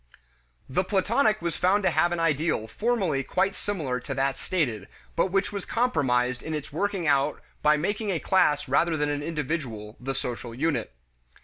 The Platonic was found to have an ideal formally quite similar to that stated, but which was compromised in its working out by making a class rather than an individual the social unit.